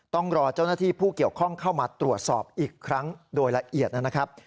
ต้องรอเจ้าหน้าที่ผู้เกี่ยวข้องเข้ามาตรวจสอบอีกครั้งโดยละเอียดนะครับ